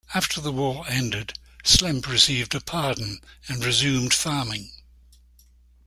After the war ended, Slemp received a pardon, and resumed farming.